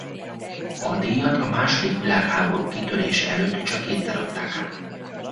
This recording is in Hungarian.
A díjat a második világháború kitörése előtt csak kétszer adták át.